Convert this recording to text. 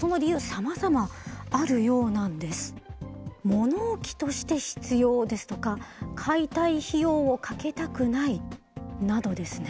「物置として必要」ですとか「解体費用をかけたくない」などですね。